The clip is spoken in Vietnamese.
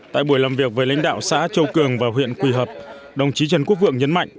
tại buổi làm việc với lãnh đạo xã châu cường và huyện quỳ hợp đồng chí trần quốc vượng nhấn mạnh